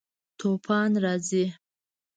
توپان راځي